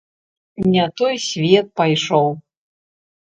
Не той свет пайшоў.